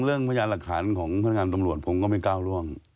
พยานหลักฐานของพนักงานตำรวจผมก็ไม่ก้าวร่วง